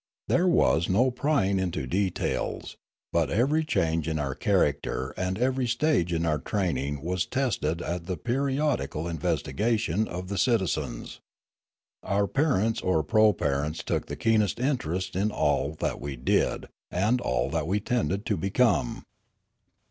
6 82 Limanora There was no prying into details; but every change in our character and every stage in our training was tested at the periodical investigation of the citizens. Our parents or proparents took the keenest interest in all that we did and all that we tended to become.